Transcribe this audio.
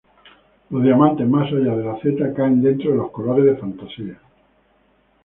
Los diamantes más allá de la Z caen dentro de los colores de fantasía.